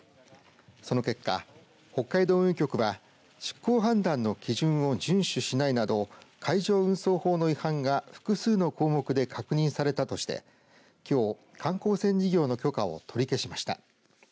その結果、北海道運輸局は出航判断の基準を順守しないなど海上運送法の違反が複数の項目で確認されたとしてきょう、観光船事業の許可を取り消しました。